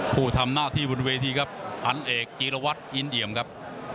ผู้ทำหน้าที่บนเวทีครับพันเอกจีรวัตรอินเอี่ยมครับ